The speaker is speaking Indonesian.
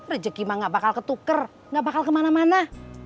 rezeki mah nggak bakal ketuker nggak bakal kemana mana